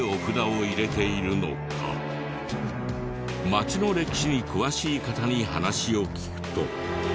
町の歴史に詳しい方に話を聞くと。